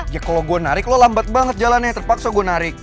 ya kalau gue narik lo lambat banget jalannya terpaksa gue narik